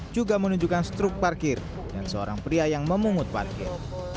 juga menunjukkan struk parkir dan seorang pria yang memungut parkir